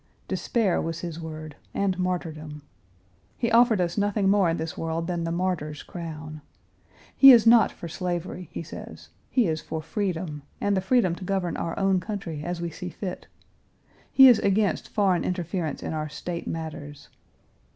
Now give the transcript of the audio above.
Despair was his word, and martyrdom. He offered us nothing more in this world than the martyr's crown. He is not for slavery, he says; he is for freedom, and the freedom to govern our own country as we see fit. He is against foreign interference in our State matters.